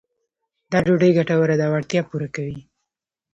دا ډوډۍ ګټوره ده او اړتیا پوره کوي.